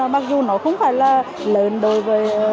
mặc dù nó không phải là lớn đối với